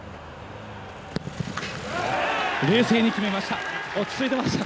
冷静に決めました。